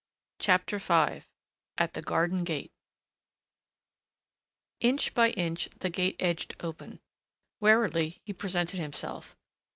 CHAPTER V AT THE GARDEN GATE Inch by inch the gate edged open. Warily he presented himself.